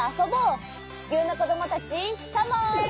ちきゅうのこどもたちカモン！